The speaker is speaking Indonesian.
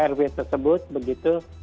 r v tersebut begitu